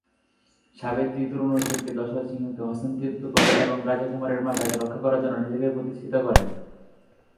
সাবিত্রী তরুণ অর্জুনকে দশরথ সিংকে হস্তান্তরিত করে এবং রাজা কুমারের মা তাকে রক্ষা করার জন্য নিজেকে প্রতিষ্ঠিত করেন।